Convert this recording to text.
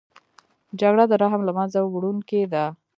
جګړه د رحم له منځه وړونکې ده